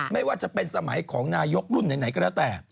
ไม่ว่าจะเป็นสมัยของนายกรุ่นไหนก็แล้วแต่